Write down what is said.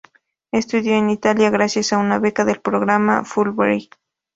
Estudió en Italia gracias a una beca del Programa Fulbright.